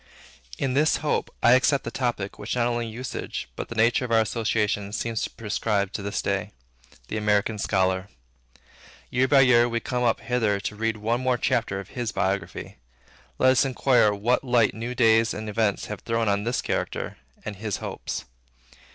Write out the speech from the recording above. In this hope, I accept the topic which not only usage, but the nature of our association, seem to prescribe to this day, the AMERICAN SCHOLAR. Year by year, we come up hither to read one more chapter of his biography. Let us inquire what light new days and events have thrown on his character, and his hopes.